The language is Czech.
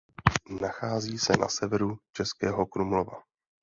Nachází se na severu Českého Krumlova.